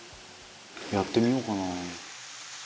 「やってみようかな」